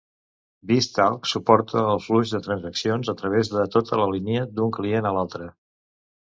BizTalk suporta el flux de transaccions a través de tota la línia, d'un client a l'altre.